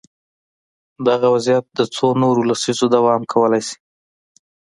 دغه وضعیت د څو نورو لسیزو دوام کولای شي.